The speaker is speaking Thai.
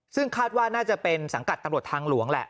ซึ่งคาดว่าน่าจะเป็นสังกัดตำรวจทางหลวงแหละ